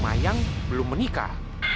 mayang belum menikah